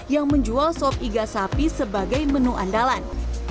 yang menjual sop iga sapi sebagai menu andalan